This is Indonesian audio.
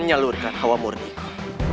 menyalurkan hawa murniku